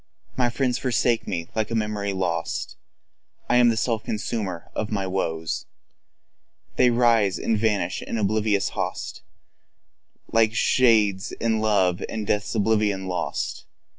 My friends forsake me like a memory lost. I am the self consumer of my woes; They rise and vanish, an oblivious host, Shadows of life, whose very soul is lost.